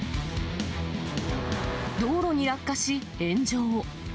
道路に落下し、炎上。